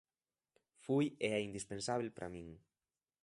Foi e é indispensábel para min.